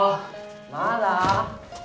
まだ？